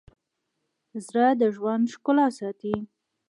زړه د ژوند ښکلا ساتي.